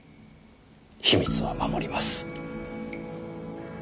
秘密は守ります。